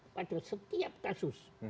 pada setiap kasus